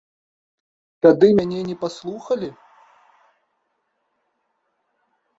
Тады мяне не паслухалі.